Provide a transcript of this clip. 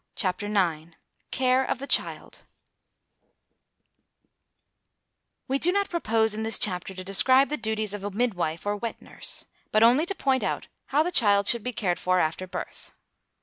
CHAPTER IX CARE OF THE CHILD We do not propose in this chapter to describe the duties of a midwife or wet nurse, but only to point out how the child should be cared for after birth.